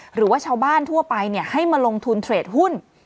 หรือว่าชาวบ้านทั่วไปให้มาลงทุนเทรดหุ้น